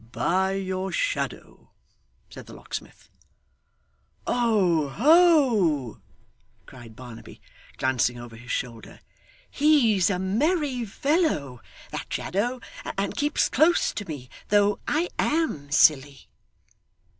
'By your shadow,' said the locksmith. 'Oho!' cried Barnaby, glancing over his shoulder, 'He's a merry fellow, that shadow, and keeps close to me, though I AM silly.